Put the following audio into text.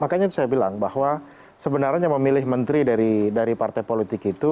makanya itu saya bilang bahwa sebenarnya memilih menteri dari partai politik itu